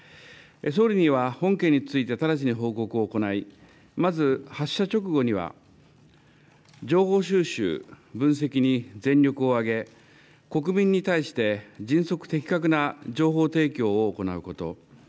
総理には本件について直ちに報告を行い、まず発射直後には、情報収集、分析に全力を挙げ、国民に対して、迅速、的確な情報提供を行うこと。